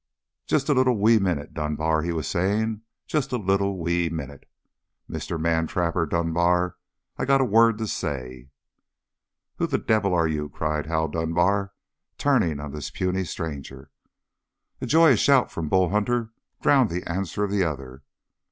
"Just a little wee minute, Dunbar," he was saying. "Just a little wee minute, Mr. Man trapper Dunbar! I got a word to say." "Who the devil are you?" cried Hal Dunbar, turning on this puny stranger. A joyous shout from Bull Hunter drowned the answer of the other.